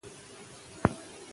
هغه له خبرو وروسته ولاړ.